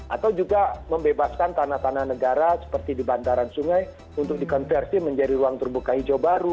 atau juga membebaskan tanah tanah negara seperti di bantaran sungai untuk dikonversi menjadi ruang terbuka hijau baru